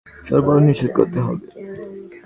তবে সারা দেশে একই মূল্যে গ্যাস সরবরাহ নিশ্চিত করতে হবে।